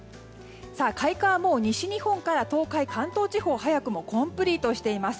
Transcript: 開花はもう西日本から東海関東地方で早くもコンプリートしています。